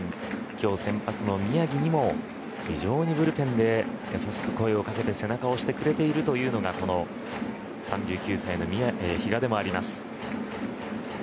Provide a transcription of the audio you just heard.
今日、選抜の宮城にも非常にブルペンで優しく声をかけて背中を押してくれるというのがこの３９歳の比嘉でもあります。